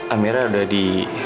amira udah di